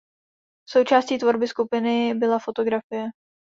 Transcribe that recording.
Součástí tvorby skupiny byla fotografie.